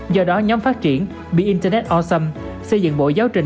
do đó nhóm phát triển be internet awesome xây dựng bộ giáo trình